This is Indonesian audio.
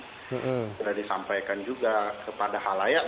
sudah disampaikan juga kepada hal layak